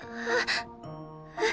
えっ！？